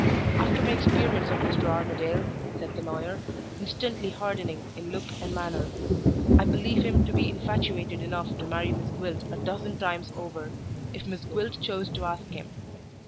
"After my experience of Mr. Armadale," said the lawyer, instantly hardening in look and manner, "I believe him to be infatuated enough to marry Miss Gwilt a dozen times over, if Miss Gwilt chose to ask him.